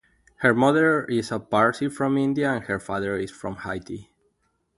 Her mother is a Parsi from India and her father is from Haiti.